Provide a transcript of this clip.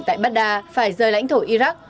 tại baghdad phải rời lãnh thổ iraq